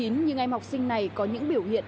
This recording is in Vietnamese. nhưng em học sinh này có những biểu hiện